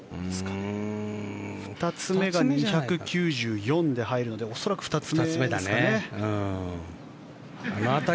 ２つ目が２９４で入るので恐らく２つ目ですかね。